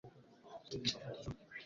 waliungana mara moja na waandamanaji